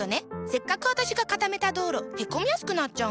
せっかく私が固めた道路へこみやすくなっちゃうの。